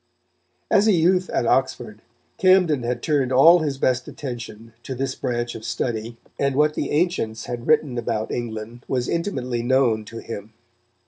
As a youth at Oxford, Camden had turned all his best attention to this branch of study, and what the ancients had written about England was intimately known to him.